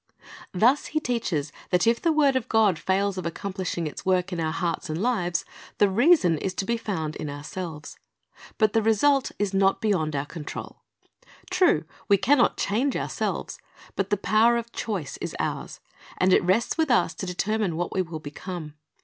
Thus He teaches that if the word of God fails of accom plishing its work in our hearts and lives, the reason is to be found in ourselves. But the result is not beyond our control. True, we can not change ourselves; but the power of choice is ours, and it rests with us to determine what we will become.